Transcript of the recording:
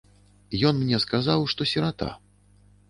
Ён мне казаў, што сірата.